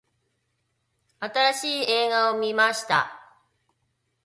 新しい映画を観ました。